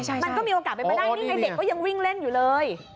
มันก็มีโอกาสเป็นไปได้นี่ไงเด็กก็ยังวิ่งเล่นอยู่เลย